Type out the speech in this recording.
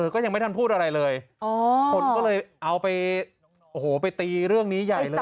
ก็ยังไม่ทันพูดอะไรเลยคนก็เลยเอาไปโอ้โหไปตีเรื่องนี้ใหญ่เลย